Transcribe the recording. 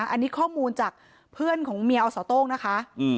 อันนี้ข้อมูลจากเพื่อนของเมียอสโต้งนะคะ